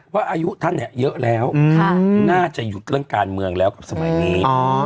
อายุท่านเนี่ยเยอะแล้วน่าจะหยุดเรื่องการเมืองแล้วกับสมัยนี้